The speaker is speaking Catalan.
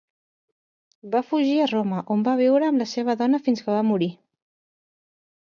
Va fugir a Roma, on va viure amb la seva dona fins que va morir.